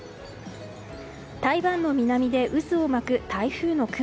台湾の南で渦を巻く台風の雲。